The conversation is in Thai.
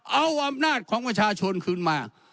เอาอำนาจของประชาชนคืนมา